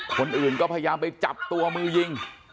คนอื่นก็พยายามไปจับตัวมือยิง